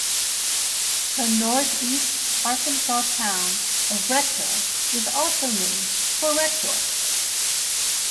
The northeast Arkansas town of Rector is also named for Rector.